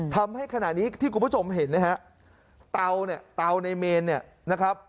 ทำให้ขณะนี้ที่คุณผู้ชมเห็นนะฮะเตาเนี่ยเตาในเมนเนี่ยนะครับ